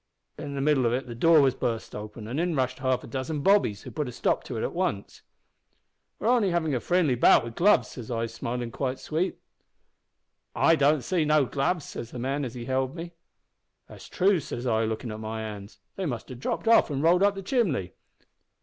In the middle of it the door was burst open, an' in rushed half a dozen bobbies, who put a stop to it at once. "`We're only havin' a friendly bout wi' the gloves,' says I, smilin' quite sweet. "`I don't see no gloves,' says the man as held me. "`That's true,' says I, lookin' at my hands. `They must have dropped off an' rolled up the chimbly.'